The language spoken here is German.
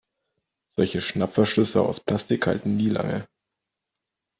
Solche Schnappverschlüsse aus Plastik halten nie lange.